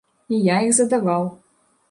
І я іх задаваў.